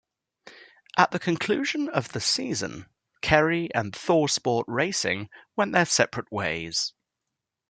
At the conclusion of the season, Kerry and ThorSport Racing went their separate ways.